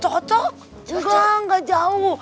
cocok juga nggak jauh